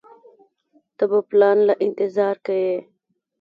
ته به پلان له انتظار کيې.